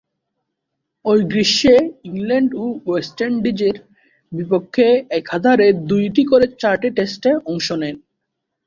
ঐ গ্রীষ্মে ইংল্যান্ড ও ওয়েস্ট ইন্ডিজের বিপক্ষে একাধারে দুইটি করে চারটি টেস্টে অংশ নেন।